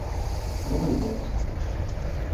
pruvo